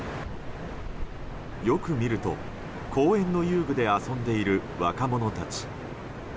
よく見ると、公園の遊具で遊んでいる若者たち。